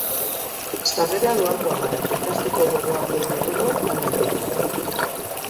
Sarrera doakoa da, eta ikasteko gogoa duen edonor joan daiteke.